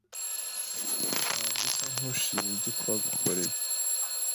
Ntabwo usa nkushima ibyo twagukoreye.